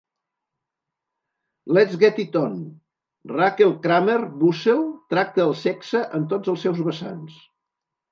Let's Get It On: Rachel Kramer Bussel tracta el sexe en tots els seus vessants.